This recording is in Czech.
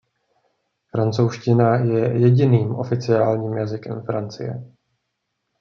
Francouzština je jediným oficiálním jazykem Francie.